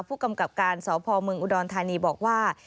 ผู้กำกับการสพเมืองอุดรธานีบอกว่า